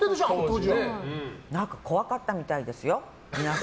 皆さん、怖かったみたいですよ。